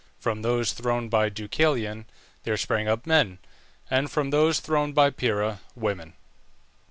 From those thrown by Deucalion there sprang up men, and from those thrown by Pyrrha, women.